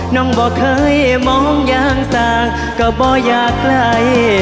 น้องบ่เคยมองอย่างสาก็บ่อยากไกล